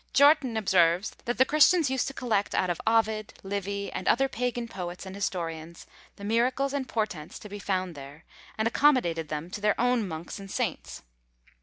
Jortin observes, that the Christians used to collect out of Ovid, Livy, and other pagan poets and historians, the miracles and portents to be found there, and accommodated them to their own monks and saints.